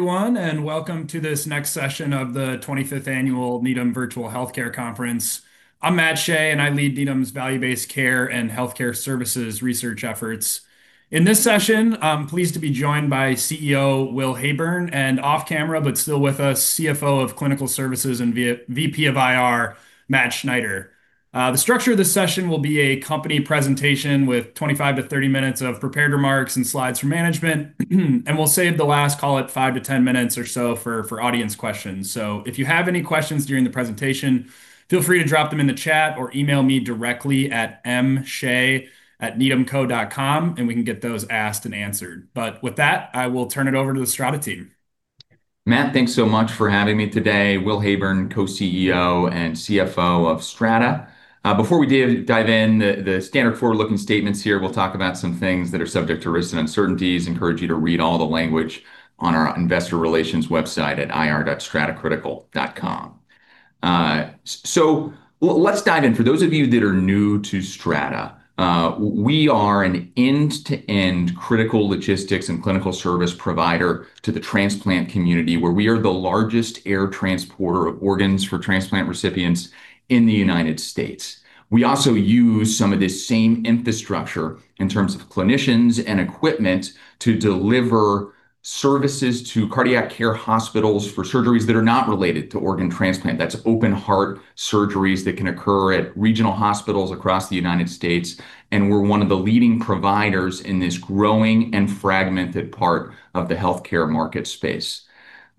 Everyone, Welcome to this next session of the 25th Annual Needham Virtual Healthcare Conference. I'm Matt Shea, and I lead Needham's value-based care and healthcare services research efforts. In this session, I'm pleased to be joined by CEO Will Heyburn, and off-camera, but still with us, CFO of Clinical Services and VP of IR, Matt Schneider. The structure of this session will be a company presentation with 25-30 minutes of prepared remarks and slides from management, and we'll save the last, call it five to 10 minutes or so, for audience questions. If you have any questions during the presentation, feel free to drop them in the chat or email me directly at mshea@needhamco.com and we can get those asked and answered. With that, I will turn it over to the Strata team. Matt, thanks so much for having me today. Will Heyburn, Co-CEO and CFO of Strata. Before we dive in, the standard forward-looking statements here, we'll talk about some things that are subject to risks and uncertainties. I encourage you to read all the language on our investor relations website at ir.stratacritical.com. Let's dive in. For those of you that are new to Strata, we are an end-to-end critical logistics and clinical service provider to the transplant community, where we are the largest air transporter of organs for transplant recipients in the United States. We also use some of this same infrastructure in terms of clinicians and equipment to deliver services to cardiac care hospitals for surgeries that are not related to organ transplant. That's open heart surgeries that can occur at regional hospitals across the United States, and we're one of the leading providers in this growing and fragmented part of the healthcare market space.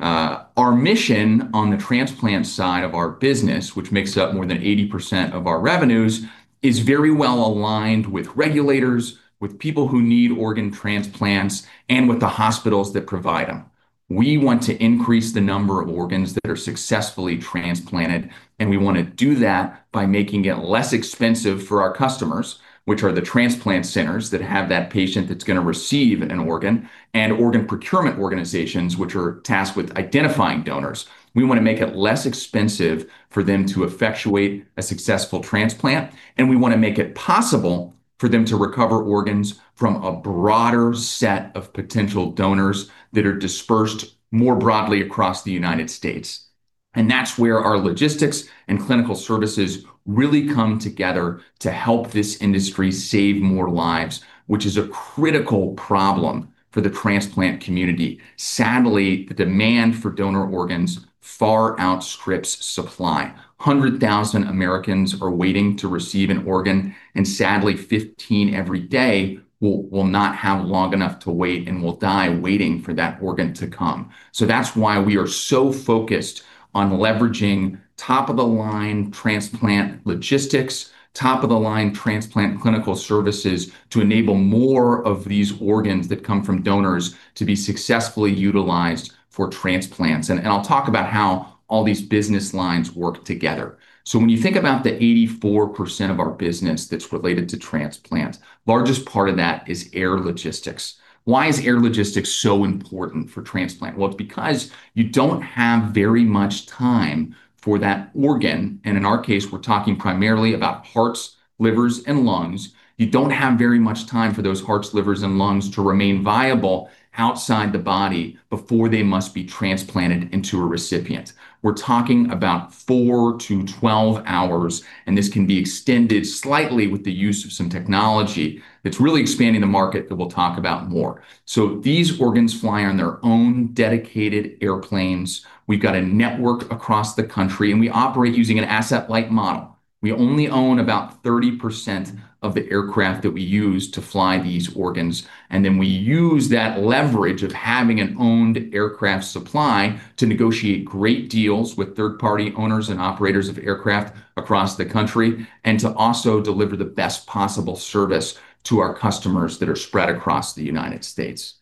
Our mission on the transplant side of our business, which makes up more than 80% of our revenues, is very well aligned with regulators, with people who need organ transplants, and with the hospitals that provide them. We want to increase the number of organs that are successfully transplanted, and we want to do that by making it less expensive for our customers, which are the transplant centers that have that patient that's going to receive an organ, and organ procurement organizations, which are tasked with identifying donors. We want to make it less expensive for them to effectuate a successful transplant, and we want to make it possible for them to recover organs from a broader set of potential donors that are dispersed more broadly across the United States. That's where our logistics and clinical services really come together to help this industry save more lives, which is a critical problem for the transplant community. Sadly, the demand for donor organs far outstrips supply. 100,000 Americans are waiting to receive an organ, and sadly, 15 every day will not have long enough to wait and will die waiting for that organ to come. That's why we are so focused on leveraging top-of-the-line transplant logistics, top-of-the-line transplant clinical services to enable more of these organs that come from donors to be successfully utilized for transplants. I'll talk about how all these business lines work together. So when you think about the 84% of our business that's related to transplant, largest part of that is air logistics. Why is air logistics so important for transplant? Well, it's because you don't have very much time for that organ, and in our case, we're talking primarily about hearts, livers and lungs. You don't have very much time for those hearts, livers and lungs to remain viable outside the body before they must be transplanted into a recipient. We're talking about four to 12 hours, and this can be extended slightly with the use of some technology that's really expanding the market that we'll talk about more. So these organs fly on their own dedicated airplanes. We've got a network across the country, and we operate using an asset-light model. We only own about 30% of the aircraft that we use to fly these organs, and then we use that leverage of having an owned aircraft supply to negotiate great deals with third-party owners and operators of aircraft across the country and to also deliver the best possible service to our customers that are spread across the United States.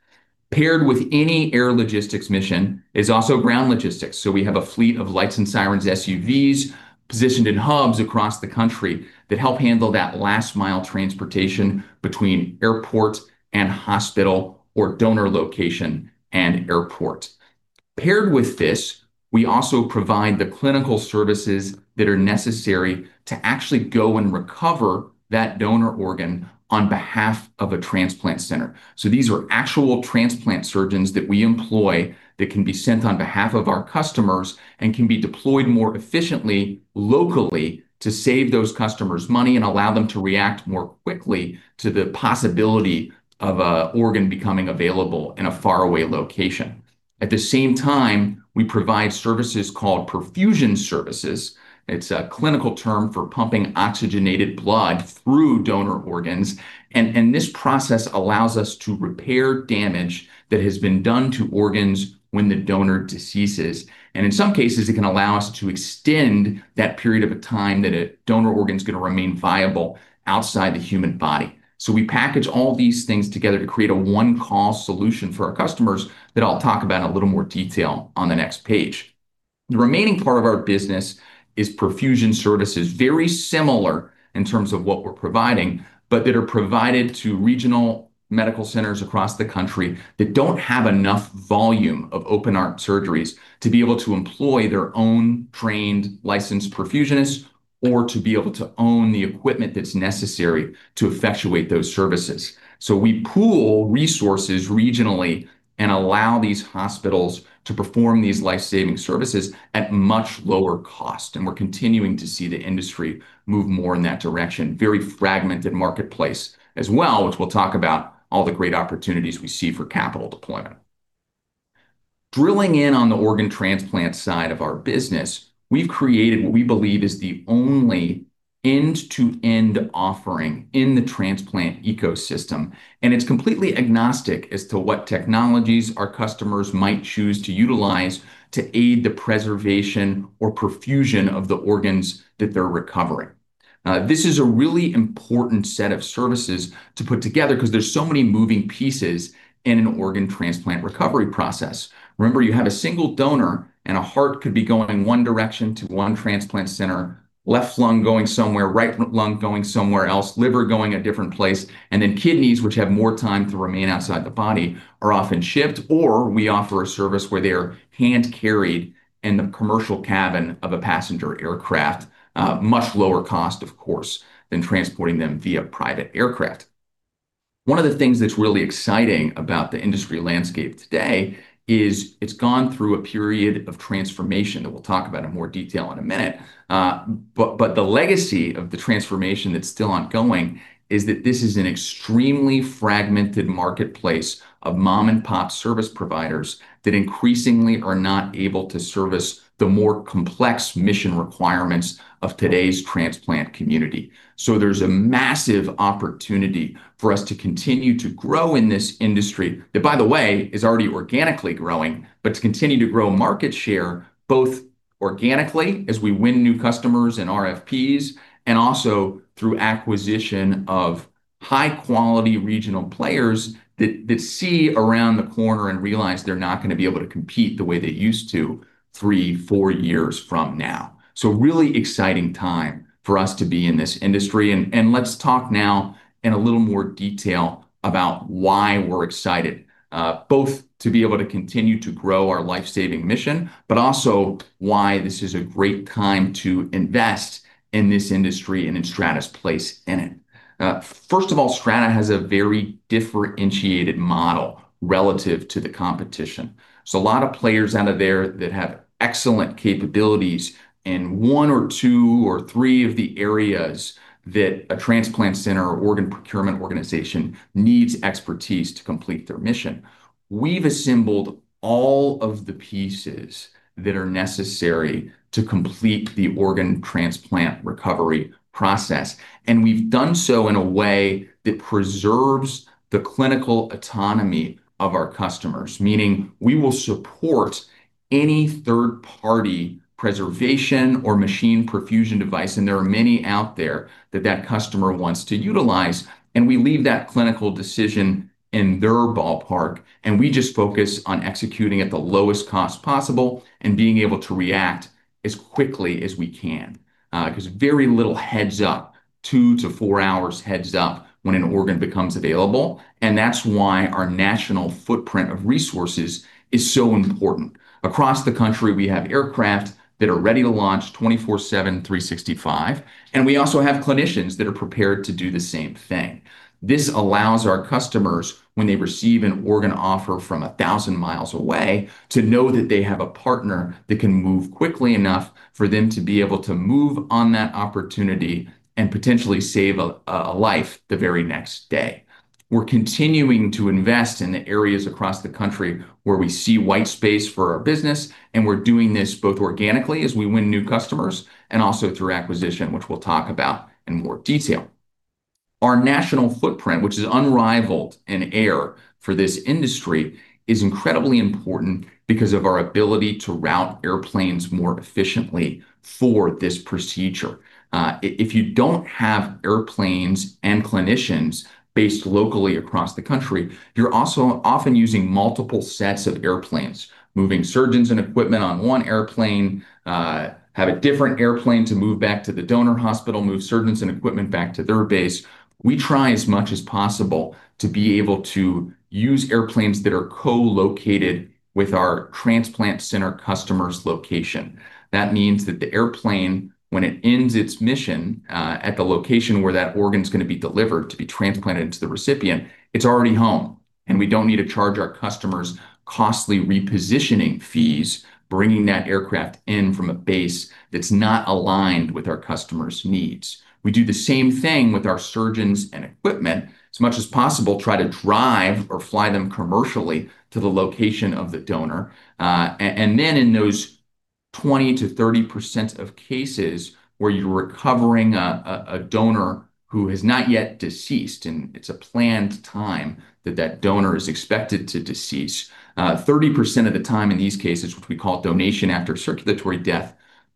Paired with any air logistics mission is also ground logistics. We have a fleet of lights and sirens SUVs positioned in hubs across the country that help handle that last-mile transportation between airport and hospital, or donor location and airport. Paired with this, we also provide the clinical services that are necessary to actually go and recover that donor organ on behalf of a transplant center. These are actual transplant surgeons that we employ that can be sent on behalf of our customers and can be deployed more efficiently locally to save those customers money and allow them to react more quickly to the possibility of an organ becoming available in a faraway location. At the same time, we provide services called perfusion services. It's a clinical term for pumping oxygenated blood through donor organs, and this process allows us to repair damage that has been done to organs when the donor deceases. In some cases, it can allow us to extend that period of time that a donor organ's going to remain viable outside the human body. We package all these things together to create a one-call solution for our customers that I'll talk about in a little more detail on the next page. The remaining part of our business is perfusion services, very similar in terms of what we're providing, but that are provided to regional medical centers across the country that don't have enough volume of open-heart surgeries to be able to employ their own trained, licensed perfusionists or to be able to own the equipment that's necessary to effectuate those services. We pool resources regionally and allow these hospitals to perform these life-saving services at much lower cost, and we're continuing to see the industry move more in that direction. Very fragmented marketplace as well, which we'll talk about all the great opportunities we see for capital deployment. Drilling in on the organ transplant side of our business, we've created what we believe is the only end-to-end offering in the transplant ecosystem, and it's completely agnostic as to what technologies our customers might choose to utilize to aid the preservation or perfusion of the organs that they're recovering. This is a really important set of services to put together because there's so many moving pieces in an organ transplant recovery process. Remember, you have a single donor, and a heart could be going one direction to one transplant center, left lung going somewhere, right lung going somewhere else, liver going a different place, and then kidneys, which have more time to remain outside the body, are often shipped, or we offer a service where they are hand-carried in the commercial cabin of a passenger aircraft, much lower cost, of course, than transporting them via private aircraft. One of the things that's really exciting about the industry landscape today is it's gone through a period of transformation that we'll talk about in more detail in a minute. But the legacy of the transformation that's still ongoing is that this is an extremely fragmented marketplace of mom-and-pop service providers that increasingly are not able to service the more complex mission requirements of today's transplant community. So there's a massive opportunity for us to continue to grow in this industry that, by the way, is already organically growing. But to continue to grow market share, both organically as we win new customers and RFPs, and also through acquisition of high-quality regional players that see around the corner and realize they're not going to be able to compete the way they used to three, four years from now. Really exciting time for us to be in this industry, and let's talk now in a little more detail about why we're excited, both to be able to continue to grow our life-saving mission, but also why this is a great time to invest in this industry and in Strata's place in it. First of all, Strata has a very differentiated model relative to the competition. A lot of players out there that have excellent capabilities in one or two or three of the areas that a transplant center or organ procurement organization needs expertise to complete their mission. We've assembled all of the pieces that are necessary to complete the organ transplant recovery process, and we've done so in a way that preserves the clinical autonomy of our customers, meaning we will support any third-party preservation or machine perfusion device, and there are many out there, that that customer wants to utilize. We leave that clinical decision in their ballpark, and we just focus on executing at the lowest cost possible and being able to react as quickly as we can. Because very little heads-up, two to four hours heads-up, when an organ becomes available, that's why our national footprint of resources is so important. Across the country, we have aircraft that are ready to launch 24/7, 365. We also have clinicians that are prepared to do the same thing. This allows our customers, when they receive an organ offer from 1,000 miles away, to know that they have a partner that can move quickly enough for them to be able to move on that opportunity and potentially save a life the very next day. We're continuing to invest in the areas across the country where we see white space for our business, and we're doing this both organically as we win new customers and also through acquisition, which we'll talk about in more detail. Our national footprint, which is unrivaled in air for this industry, is incredibly important because of our ability to route airplanes more efficiently for this procedure. If you don't have airplanes and clinicians based locally across the country, you're also often using multiple sets of airplanes, moving surgeons and equipment on one airplane, have a different airplane to move back to the donor hospital, move surgeons and equipment back to their base. We try as much as possible to be able to use airplanes that are co-located with our transplant center customer's location. That means that the airplane, when it ends its mission at the location where that organ's going to be delivered to be transplanted into the recipient, it's already home, and we don't need to charge our customers costly repositioning fees, bringing that aircraft in from a base that's not aligned with our customer's needs. We do the same thing with our surgeons and equipment. As much as possible, try to drive or fly them commercially to the location of the donor. In those 20%-30% of cases where you're recovering a donor who has not yet deceased, and it's a planned time that that donor is expected to decease, 30% of the time in these cases, which we call donation after circulatory death,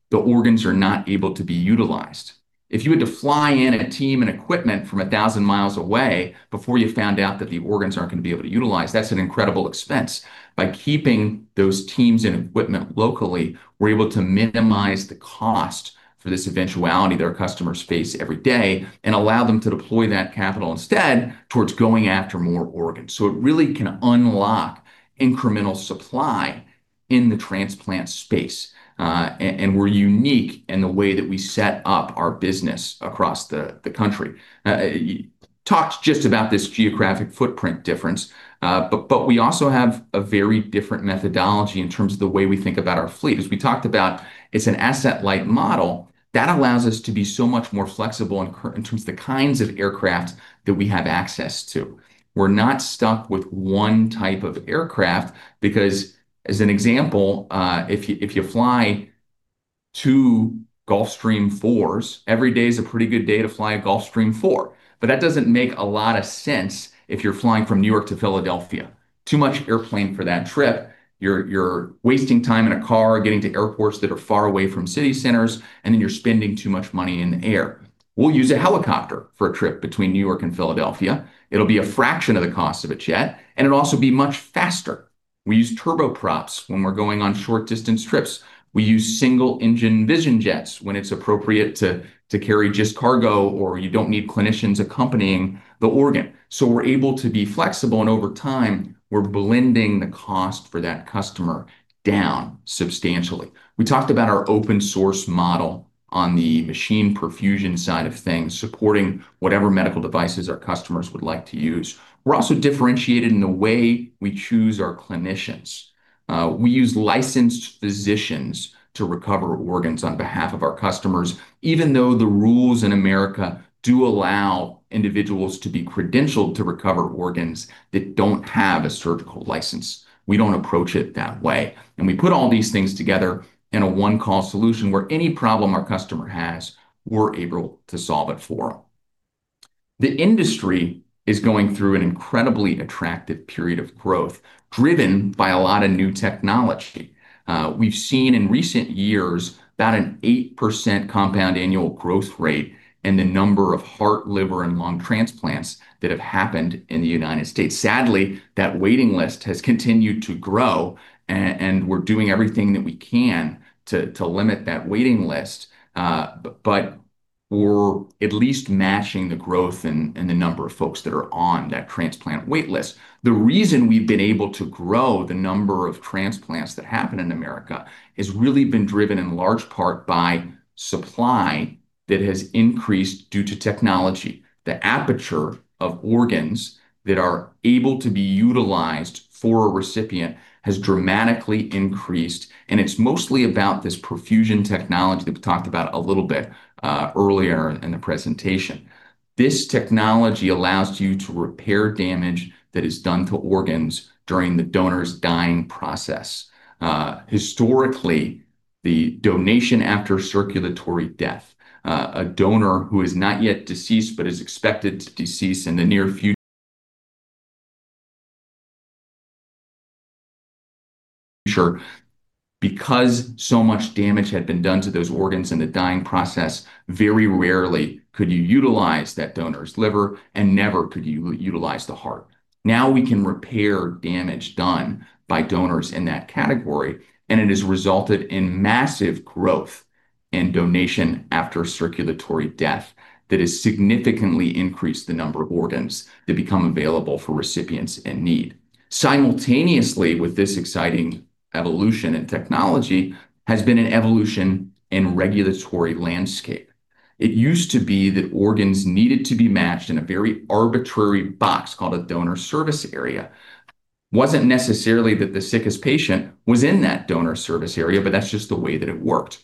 the organs are not able to be utilized. If you had to fly in a team and equipment from 1,000 miles away before you found out that the organs aren't going to be able to utilized, that's an incredible expense. By keeping those teams and equipment locally, we're able to minimize the cost for this eventuality that our customers face every day and allow them to deploy that capital instead towards going after more organs. It really can unlock incremental supply in the transplant space, and we're unique in the way that we set up our business across the country. Talked just about this geographic footprint difference, but we also have a very different methodology in terms of the way we think about our fleet. As we talked about, it's an asset-light model that allows us to be so much more flexible in terms of the kinds of aircraft that we have access to. We're not stuck with one type of aircraft because, as an example, if you fly two Gulfstream IVs, every day is a pretty good day to fly a Gulfstream IV. That doesn't make a lot of sense if you're flying from New York to Philadelphia, too much airplane for that trip. You're wasting time in a car getting to airports that are far away from city centers, and then you're spending too much money in the air. We'll use a helicopter for a trip between New York and Philadelphia. It'll be a fraction of the cost of a jet, and it'll also be much faster. We use turboprops when we're going on short distance trips. We use single-engine Vision Jets when it's appropriate to carry just cargo or you don't need clinicians accompanying the organ. We're able to be flexible, and over time, we're blending the cost for that customer down substantially. We talked about our open source model on the machine perfusion side of things, supporting whatever medical devices our customers would like to use. We're also differentiated in the way we choose our clinicians. We use licensed physicians to recover organs on behalf of our customers, even though the rules in America do allow individuals to be credentialed to recover organs that don't have a surgical license. We don't approach it that way, and we put all these things together in a one-call solution where any problem our customer has, we're able to solve it for them. The industry is going through an incredibly attractive period of growth, driven by a lot of new technology. We've seen in recent years about an 8% compound annual growth rate in the number of heart, liver, and lung transplants that have happened in the United States. Sadly, that waiting list has continued to grow, and we're doing everything that we can to limit that waiting list, but we're at least matching the growth in the number of folks that are on that transplant wait list. The reason we've been able to grow the number of transplants that happen in America has really been driven in large part by supply that has increased due to technology. The aperture of organs that are able to be utilized for a recipient has dramatically increased, and it's mostly about this perfusion technology that we talked about a little bit earlier in the presentation. This technology allows you to repair damage that is done to organs during the donor's dying process. Historically, the donation after circulatory death, a donor who is not yet deceased but is expected to decease in the near future, because so much damage had been done to those organs in the dying process, very rarely could you utilize that donor's liver, and never could you utilize the heart. Now we can repair damage done by donors in that category, and it has resulted in massive growth in donation after circulatory death that has significantly increased the number of organs that become available for recipients in need. Simultaneously with this exciting evolution in technology has been an evolution in regulatory landscape. It used to be that organs needed to be matched in a very arbitrary box called a donor service area. It wasn't necessarily that the sickest patient was in that donor service area, but that's just the way that it worked.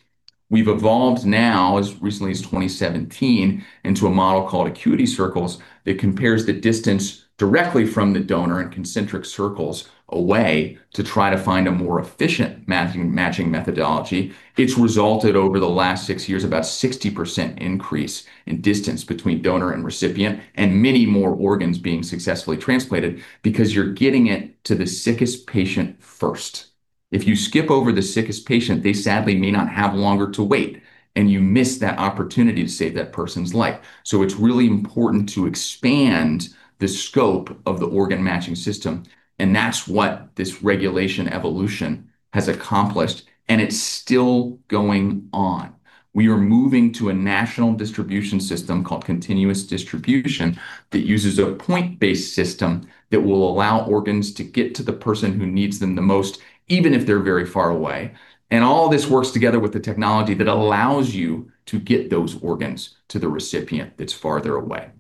We've evolved now, as recently as 2017, into a model called acuity circles that compares the distance directly from the donor in concentric circles away to try to find a more efficient matching methodology. It's resulted over the last six years, about 60% increase in distance between donor and recipient, and many more organs being successfully transplanted because you're getting it to the sickest patient first. If you skip over the sickest patient, they sadly may not have longer to wait, and you miss that opportunity to save that person's life. It's really important to expand the scope of the organ matching system, and that's what this regulation evolution has accomplished, and it's still going on. We are moving to a national distribution system called continuous distribution that uses a point-based system that will allow organs to get to the person who needs them the most, even if they're very far away. All this works together with the technology that allows you to get those organs to the recipient that's farther away.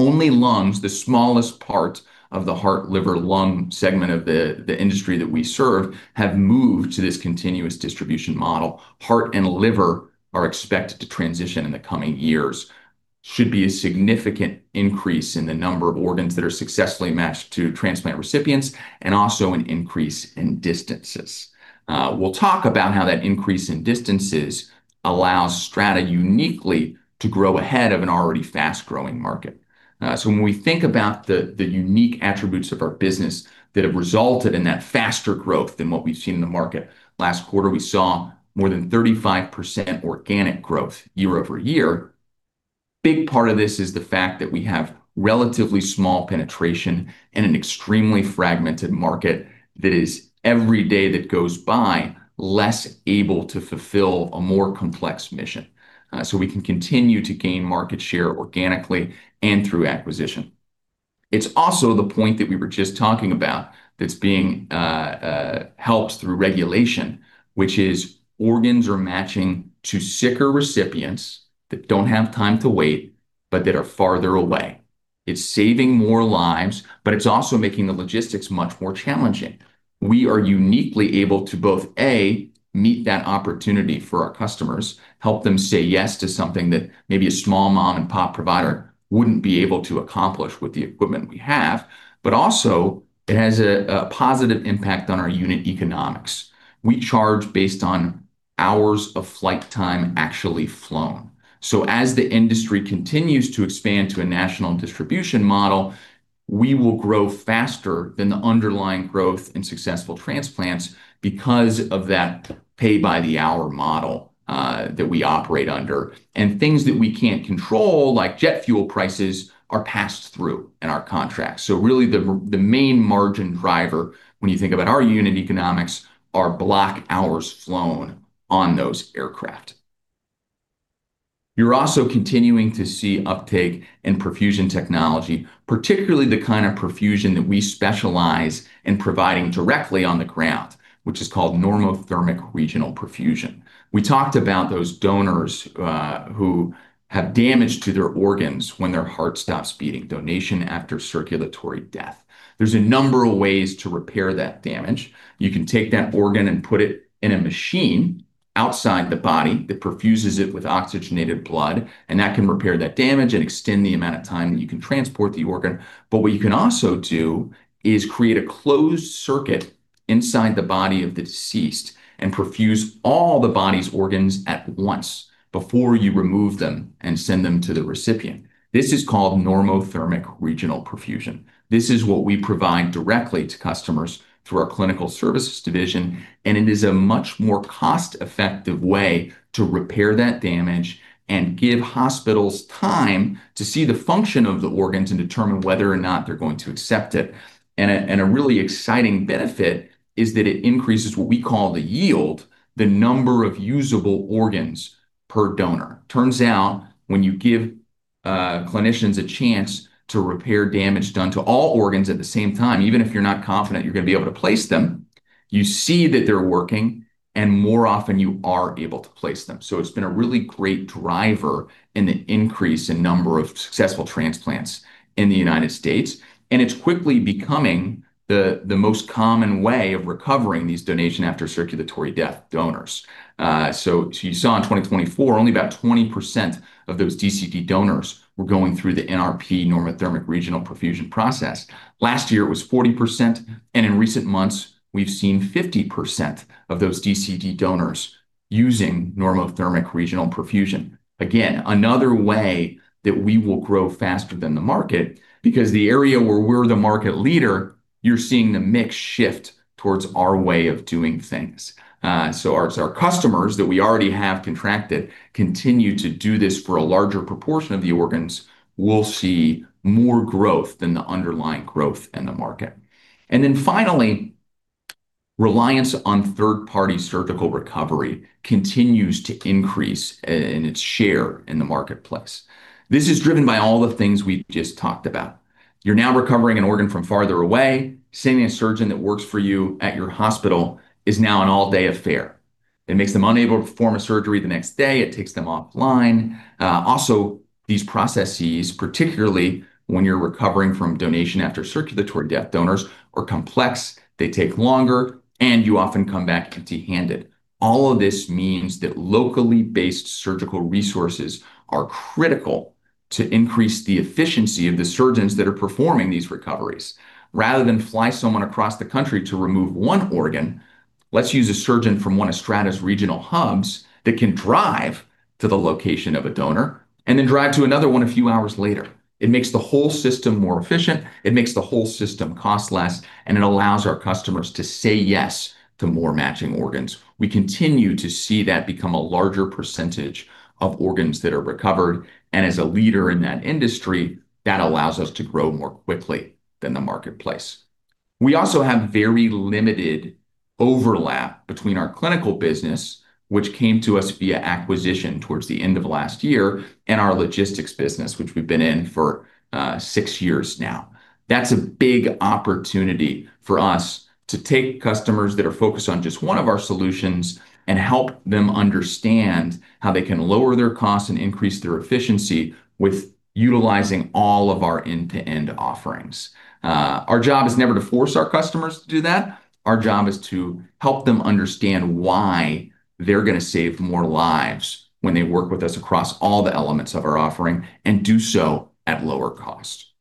Only lungs, the smallest part of the heart, liver, lung segment of the industry that we serve, have moved to this continuous distribution model. Heart and liver are expected to transition in the coming years. There should be a significant increase in the number of organs that are successfully matched to transplant recipients and also an increase in distances. We'll talk about how that increase in distances allows Strata uniquely to grow ahead of an already fast-growing market. When we think about the unique attributes of our business that have resulted in that faster growth than what we've seen in the market, last quarter, we saw more than 35% organic growth year-over-year. Big part of this is the fact that we have relatively small penetration in an extremely fragmented market that is, every day that goes by, less able to fulfill a more complex mission. We can continue to gain market share organically and through acquisition. It's also the point that we were just talking about that's being helped through regulation, which is organs are matching to sicker recipients that don't have time to wait but that are farther away. It's saving more lives, but it's also making the logistics much more challenging. We are uniquely able to both, A, meet that opportunity for our customers, help them say yes to something that maybe a small mom-and-pop provider wouldn't be able to accomplish with the equipment we have. Also, it has a positive impact on our unit economics. We charge based on hours of flight time actually flown. As the industry continues to expand to a national distribution model, we will grow faster than the underlying growth in successful transplants because of that pay-by-the-hour model that we operate under. Things that we can't control, like jet fuel prices, are passed through in our contracts. Really the main margin driver, when you think about our unit economics, are block hours flown on those aircraft. You're also continuing to see uptake in perfusion technology, particularly the kind of perfusion that we specialize in providing directly on the ground, which is called normothermic regional perfusion. We talked about those donors who have damage to their organs when their heart stops beating, donation after circulatory death. There's a number of ways to repair that damage. You can take that organ and put it in a machine outside the body that perfuses it with oxygenated blood, and that can repair that damage and extend the amount of time that you can transport the organ. What you can also do is create a closed circuit inside the body of the deceased and perfuse all the body's organs at once before you remove them and send them to the recipient. This is called normothermic regional perfusion. This is what we provide directly to customers through our Clinical Services division, and it is a much more cost-effective way to repair that damage and give hospitals time to see the function of the organs and determine whether or not they're going to accept it. A really exciting benefit is that it increases what we call the yield, the number of usable organs per donor. Turns out, when you give clinicians a chance to repair damage done to all organs at the same time, even if you're not confident you're going to be able to place them, you see that they're working, and more often you are able to place them. It's been a really great driver in the increase in number of successful transplants in the United States, and it's quickly becoming the most common way of recovering these donation after circulatory death donors. You saw in 2024, only about 20% of those DCD donors were going through the NRP, normothermic regional perfusion process. Last year, it was 40%, and in recent months, we've seen 50% of those DCD donors using normothermic regional perfusion. Again, another way that we will grow faster than the market, because the area where we're the market leader, you're seeing the mix shift towards our way of doing things. As our customers that we already have contracted continue to do this for a larger proportion of the organs, we'll see more growth than the underlying growth in the market. Finally, reliance on third-party surgical recovery continues to increase in its share in the marketplace. This is driven by all the things we just talked about. You're now recovering an organ from farther away. Sending a surgeon that works for you at your hospital is now an all-day affair. It makes them unable to perform a surgery the next day. It takes them offline. Also, these processes, particularly when you're recovering from donation after circulatory death donors, are complex, they take longer, and you often come back empty-handed. All of this means that locally based surgical resources are critical to increase the efficiency of the surgeons that are performing these recoveries. Rather than fly someone across the country to remove one organ, let's use a surgeon from one of Strata's regional hubs that can drive to the location of a donor and then drive to another one a few hours later. It makes the whole system more efficient, it makes the whole system cost less, and it allows our customers to say yes to more matching organs. We continue to see that become a larger percentage of organs that are recovered, and as a leader in that industry, that allows us to grow more quickly than the marketplace. We also have very limited overlap between our clinical business, which came to us via acquisition towards the end of last year, and our logistics business, which we've been in for six years now. That's a big opportunity for us to take customers that are focused on just one of our solutions and help them understand how they can lower their costs and increase their efficiency with utilizing all of our end-to-end offerings. Our job is never to force our customers to do that. Our job is to help them understand why they're going to save more lives when they work with us across all the elements of our offering and do so at lower cost.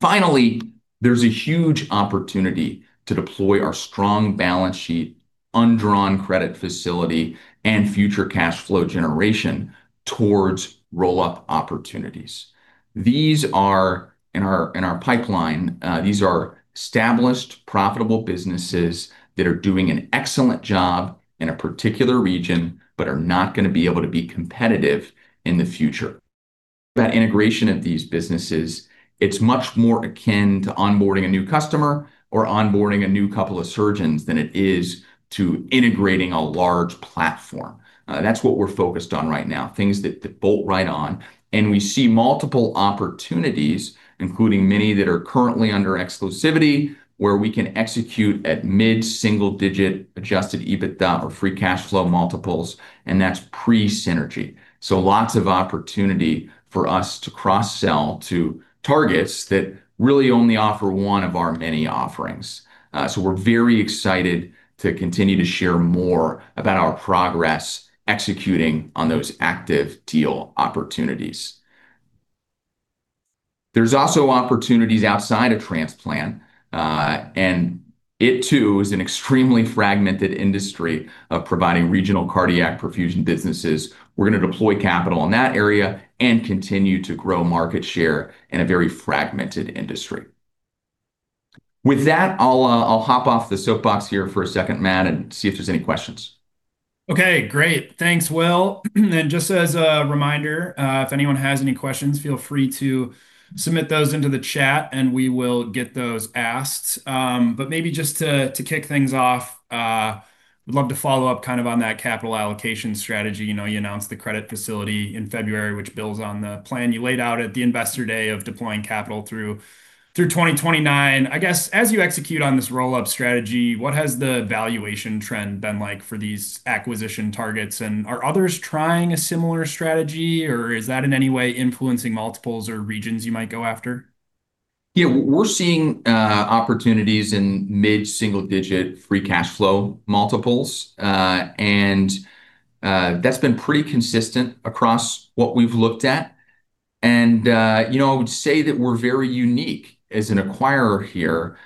Finally, there's a huge opportunity to deploy our strong balance sheet, undrawn credit facility, and future cash flow generation towards roll-up opportunities. These are in our pipeline. These are established, profitable businesses that are doing an excellent job in a particular region, but are not going to be able to be competitive in the future. That integration of these businesses, it's much more akin to onboarding a new customer or onboarding a new couple of surgeons than it is to integrating a large platform. That's what we're focused on right now, things that bolt right on. We see multiple opportunities, including many that are currently under exclusivity, where we can execute at mid-single-digit adjusted EBITDA or free cash flow multiples, and that's pre-synergy. Lots of opportunity for us to cross-sell to targets that really only offer one of our many offerings. We're very excited to continue to share more about our progress executing on those active deal opportunities. There's also opportunities outside of transplant, and it too is an extremely fragmented industry of providing regional cardiac perfusion businesses. We're going to deploy capital in that area and continue to grow market share in a very fragmented industry. With that, I'll hop off the soapbox here for a second, Matt, and see if there's any questions. Okay, great. Thanks, Will. Just as a reminder, if anyone has any questions, feel free to submit those into the chat and we will get those asked. Maybe just to kick things off, would love to follow up on that capital allocation strategy. You announced the credit facility in February, which builds on the plan you laid out at the Investor Day of deploying capital through 2029. I guess as you execute on this roll-up strategy, what has the valuation trend been like for these acquisition targets, and are others trying a similar strategy, or is that in any way influencing multiples or regions you might go after? Yeah, we're seeing opportunities in mid-single-digit free cash flow multiples, and that's been pretty consistent across what we've looked at. I would say that we're very unique as an acquirer here.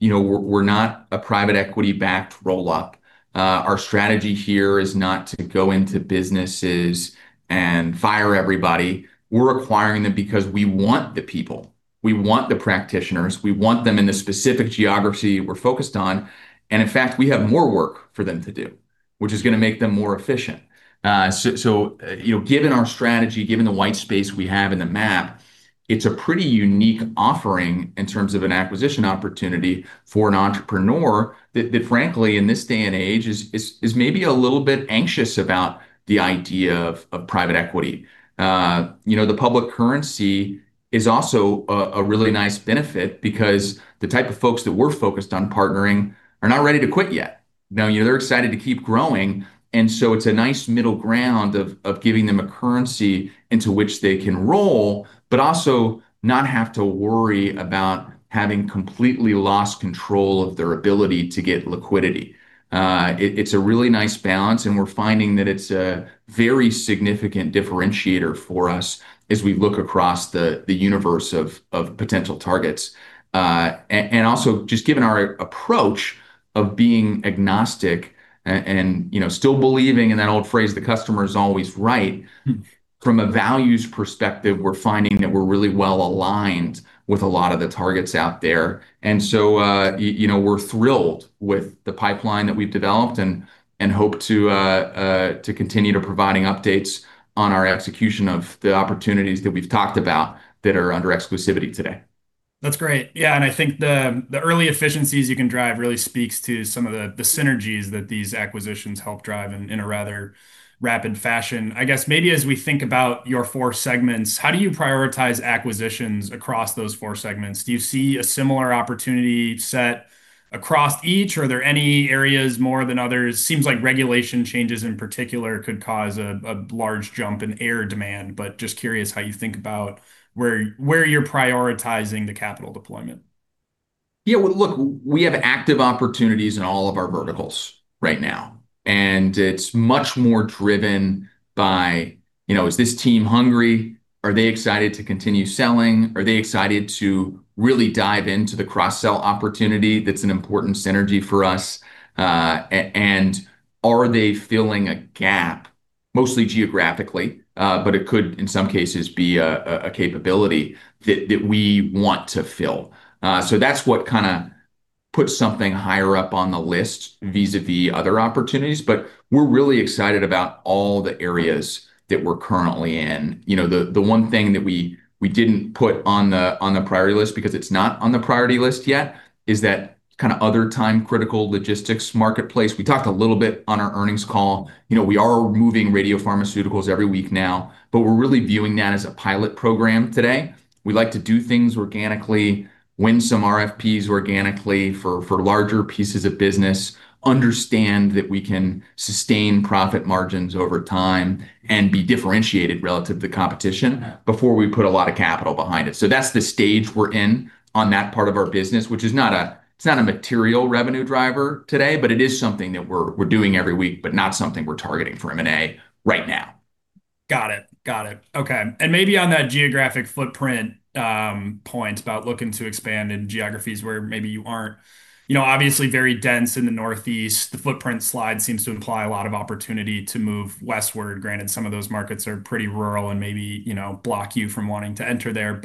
We're not a private equity-backed roll-up. Our strategy here is not to go into businesses and fire everybody. We're acquiring them because we want the people, we want the practitioners, we want them in the specific geography we're focused on. In fact, we have more work for them to do, which is going to make them more efficient. Given our strategy, given the white space we have in the map, it's a pretty unique offering in terms of an acquisition opportunity for an entrepreneur that frankly, in this day and age, is maybe a little bit anxious about the idea of private equity. The public currency is also a really nice benefit because the type of folks that we're focused on partnering are not ready to quit yet. No, they're excited to keep growing, and so it's a nice middle ground of giving them a currency into which they can roll, but also not have to worry about having completely lost control of their ability to get liquidity. It's a really nice balance, and we're finding that it's a very significant differentiator for us as we look across the universe of potential targets. Just given our approach of being agnostic and still believing in that old phrase, the customer is always right, from a values perspective, we're finding that we're really well-aligned with a lot of the targets out there. We're thrilled with the pipeline that we've developed and hope to continue to providing updates on our execution of the opportunities that we've talked about that are under exclusivity today. That's great. Yeah, I think the early efficiencies you can drive really speaks to some of the synergies that these acquisitions help drive in a rather rapid fashion. I guess maybe as we think about your four segments, how do you prioritize acquisitions across those four segments? Do you see a similar opportunity set across each? Are there any areas more than others? Seems like regulation changes in particular could cause a large jump in air demand. Just curious how you think about where you're prioritizing the capital deployment. Yeah. Well, look, we have active opportunities in all of our verticals right now, and it's much more driven by is this team hungry? Are they excited to continue selling? Are they excited to really dive into the cross-sell opportunity that's an important synergy for us? Are they filling a gap, mostly geographically, but it could, in some cases, be a capability that we want to fill? That's what kind of puts something higher up on the list vis-à-vis other opportunities. We're really excited about all the areas that we're currently in. The one thing that we didn't put on the priority list because it's not on the priority list yet is that kind of other time-critical logistics marketplace. We talked a little bit on our earnings call. We are moving radiopharmaceuticals every week now, but we're really viewing that as a pilot program today. We like to do things organically, win some RFPs organically for larger pieces of business, understand that we can sustain profit margins over time and be differentiated relative to competition before we put a lot of capital behind it. That's the stage we're in on that part of our business, which is not a material revenue driver today, but it is something that we're doing every week, but not something we're targeting for M&A right now. Got it. Okay. Maybe on that geographic footprint point about looking to expand in geographies where maybe you aren't obviously very dense in the Northeast, the footprint slide seems to imply a lot of opportunity to move westward. Granted, some of those markets are pretty rural and maybe block you from wanting to enter there.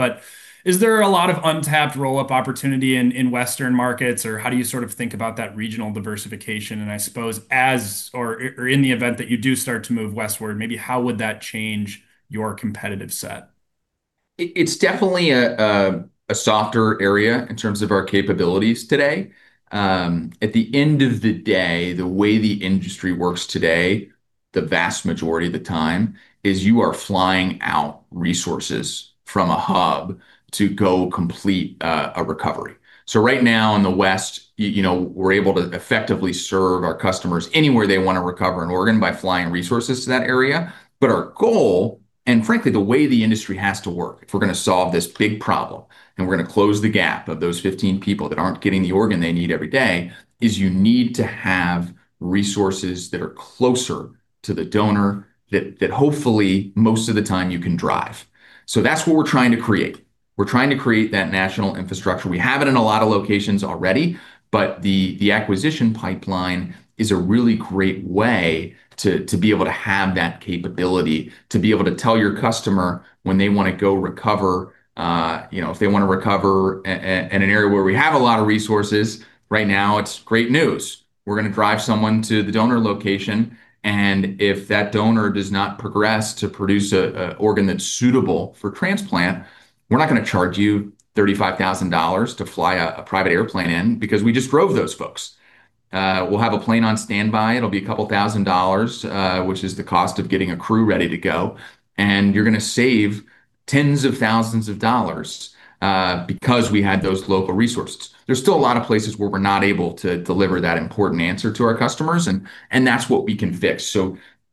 Is there a lot of untapped roll-up opportunity in Western markets, or how do you sort of think about that regional diversification? I suppose as or in the event that you do start to move westward, maybe how would that change your competitive set? It's definitely a softer area in terms of our capabilities today. At the end of the day, the way the industry works today, the vast majority of the time, is you are flying out resources from a hub to go complete a recovery. Right now in the West, we're able to effectively serve our customers anywhere they want to recover an organ by flying resources to that area. Our goal, and frankly, the way the industry has to work if we're going to solve this big problem, and we're going to close the gap of those 15 people that aren't getting the organ they need every day, is you need to have resources that are closer to the donor that hopefully most of the time you can drive. That's what we're trying to create. We're trying to create that national infrastructure. We have it in a lot of locations already. The acquisition pipeline is a really great way to be able to have that capability, to be able to tell your customer when they want to go recover. If they want to recover in an area where we have a lot of resources right now, it's great news. We're going to drive someone to the donor location. If that donor does not progress to produce an organ that's suitable for transplant, we're not going to charge you $35,000 to fly a private airplane in because we just drove those folks. We'll have a plane on standby. It'll be a couple of thousand dollars, which is the cost of getting a crew ready to go. You're going to save tens of thousands of dollars because we had those local resources. There's still a lot of places where we're not able to deliver that important answer to our customers, and that's what we can fix.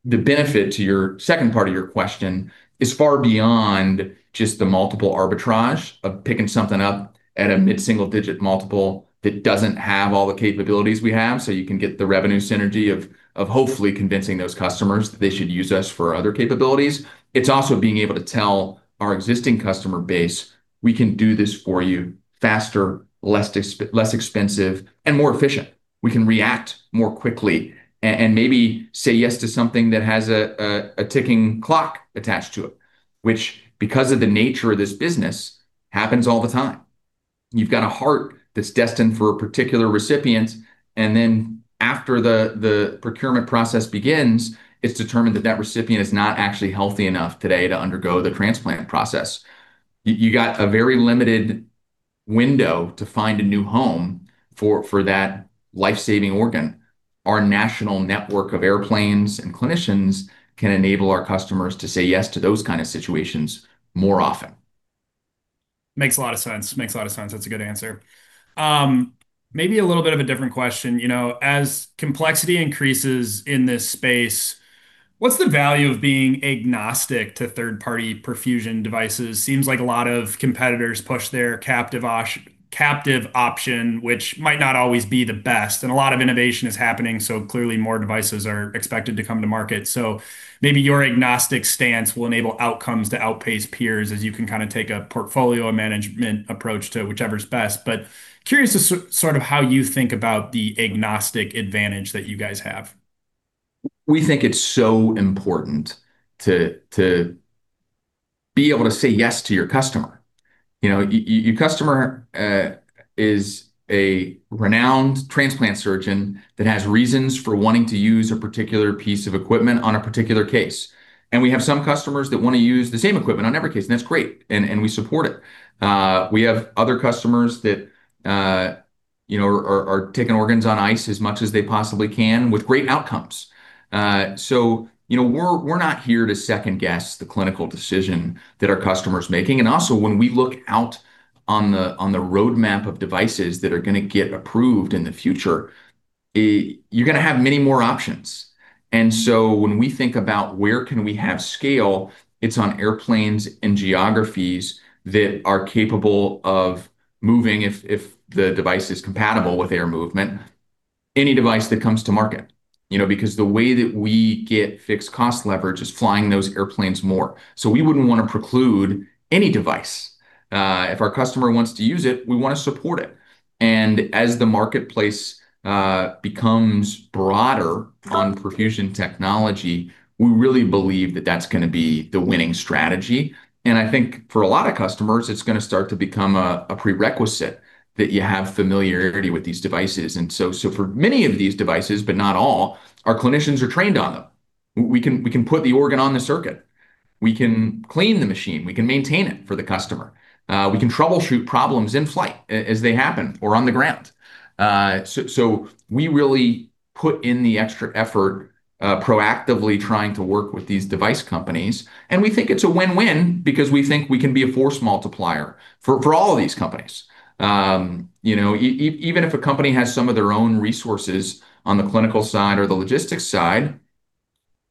The benefit to your second part of your question is far beyond just the multiple arbitrage of picking something up at a mid-single-digit multiple that doesn't have all the capabilities we have, so you can get the revenue synergy of hopefully convincing those customers that they should use us for other capabilities. It's also being able to tell our existing customer base, we can do this for you faster, less expensive, and more efficient. We can react more quickly and maybe say yes to something that has a ticking clock attached to it, which, because of the nature of this business, happens all the time. You've got a heart that's destined for a particular recipient. After the procurement process begins, it's determined that that recipient is not actually healthy enough today to undergo the transplant process. You got a very limited window to find a new home for that life-saving organ. Our national network of airplanes and clinicians can enable our customers to say yes to those kind of situations more often. Makes a lot of sense. That's a good answer. Maybe a little bit of a different question. As complexity increases in this space, what's the value of being agnostic to third-party perfusion devices? Seems like a lot of competitors push their captive option, which might not always be the best. A lot of innovation is happening, so clearly more devices are expected to come to market. Maybe your agnostic stance will enable outcomes to outpace peers as you can take a portfolio management approach to whichever is best. I'm curious as to how you think about the agnostic advantage that you guys have. We think it's so important to be able to say yes to your customer. Your customer is a renowned transplant surgeon that has reasons for wanting to use a particular piece of equipment on a particular case. We have some customers that want to use the same equipment on every case, and that's great, and we support it. We have other customers that are taking organs on ice as much as they possibly can with great outcomes. We're not here to second-guess the clinical decision that our customer's making. Also when we look out on the roadmap of devices that are going to get approved in the future, you're going to have many more options. When we think about where can we have scale, it's on airplanes and geographies that are capable of moving, if the device is compatible with air movement, any device that comes to market, because the way that we get fixed cost leverage is flying those airplanes more. We wouldn't want to preclude any device. If our customer wants to use it, we want to support it. As the marketplace becomes broader on perfusion technology, we really believe that that's going to be the winning strategy, and I think for a lot of customers, it's going to start to become a prerequisite that you have familiarity with these devices. For many of these devices, but not all, our clinicians are trained on them. We can put the organ on the circuit. We can clean the machine. We can maintain it for the customer. We can troubleshoot problems in flight as they happen, or on the ground. We really put in the extra effort, proactively trying to work with these device companies, and we think it's a win-win because we think we can be a force multiplier for all of these companies. Even if a company has some of their own resources on the clinical side or the logistics side,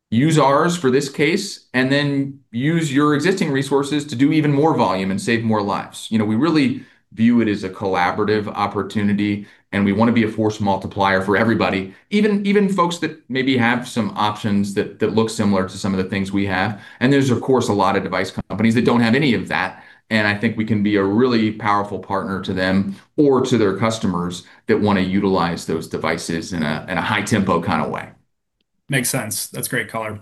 use ours for this case and then use your existing resources to do even more volume and save more lives. We really view it as a collaborative opportunity, and we want to be a force multiplier for everybody, even folks that maybe have some options that look similar to some of the things we have. There's, of course, a lot of device companies that don't have any of that, and I think we can be a really powerful partner to them or to their customers that want to utilize those devices in a high-tempo kind of way. Makes sense. That's great color.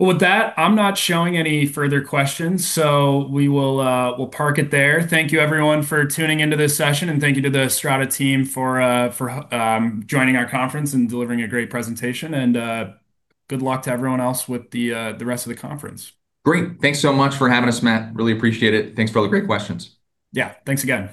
Well, with that, I'm not showing any further questions, so we'll park it there. Thank you everyone for tuning into this session, and thank you to the Strata team for joining our conference and delivering a great presentation. Good luck to everyone else with the rest of the conference. Great. Thanks so much for having us, Matt. Really appreciate it. Thanks for all the great questions. Yeah. Thanks again.